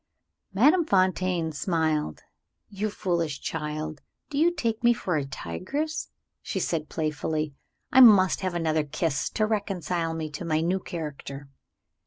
Madame Fontaine smiled. "You foolish child, do you take me for a tigress?" she said playfully. "I must have another kiss to reconcile me to my new character."